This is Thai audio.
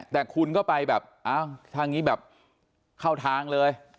แต่คุณก็ไปแบบทางนี้เข้าทางเลย